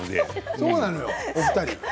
そうなのよ、お二人。